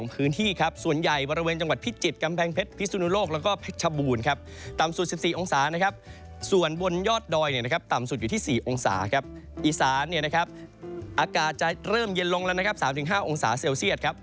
พื้นที่มีคนค้ายเริ่มเย็นลงแล้วนะครับ๓๕องศาเซลเซียสครับ